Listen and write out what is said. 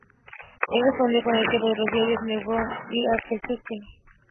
Él respondió con el cierre de los diarios New Zealand Herald y Auckland Gazette.